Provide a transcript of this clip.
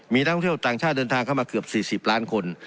มีนักท่องเที่ยวต่างชาติเดินทางเข้ามาเกือบ๔๐ล้านคน